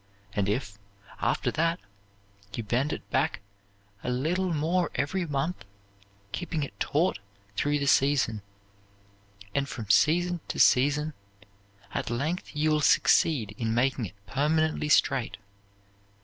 And if, after that, you bend it back a little more every month, keeping it taut through the season, and from season to season, at length you will succeed in making it permanently straight.